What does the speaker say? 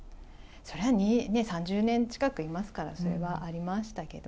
そりゃ、３０年近くいますから、それはありましたけど。